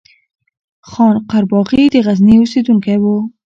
خان قرباغی د غزني اوسيدونکی وو